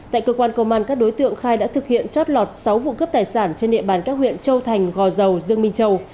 tại cơ quan công an các đối tượng khai đã thực hiện chót lọt sáu vụ cướp tài sản trên địa bàn các huyện châu thành gò dầu dương minh châu